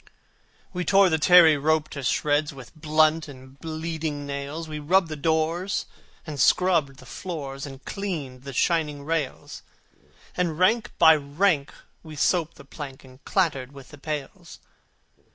We tore the tarry rope to shreds With blunt and bleeding nails; We rubbed the doors, and scrubbed the floors, And cleaned the shining rails: And, rank by rank, we soaped the plank, And clattered with the pails.